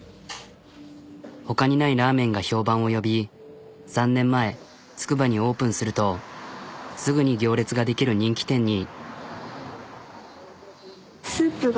他にないラーメンが評判を呼び３年前つくばにオープンするとすぐに行列が出来る人気店に。